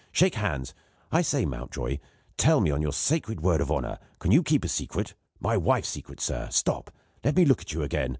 Shake hands. I say, Mountjoy, tell me on your sacred word of honour, can you keep a secret? My wife's secret, sir! Stop! let me look at you again.